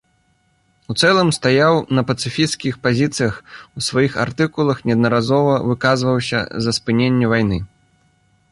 У цэлым стаяў на пацыфісцкіх пазіцыях, у сваіх артыкулах неаднаразова выказваўся за спыненне вайны.